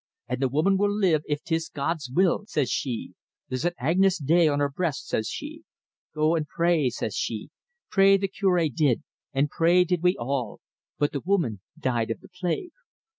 'An' the woman will live if 'tis God's will,' says she. 'There's an agnus dei on her breast,' says she. 'Go an' pray,' says she. Pray the Cure did, an' pray did we all, but the woman died of the plague.